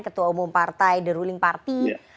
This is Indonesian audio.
ketua umum partai the ruling party